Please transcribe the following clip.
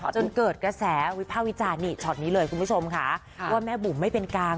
จนเกิดกระแสวิภาควิจารณ์นี่ช็อตนี้เลยคุณผู้ชมค่ะว่าแม่บุ๋มไม่เป็นกลาง